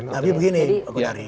tapi begini pak gujari